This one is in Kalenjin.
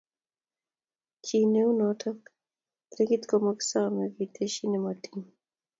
Chi ne u notok legit komasomei ketesyi ne motiny.